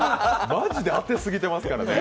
マジで当てすぎてますからね。